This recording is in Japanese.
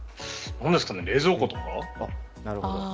何ですかね、冷蔵庫とか？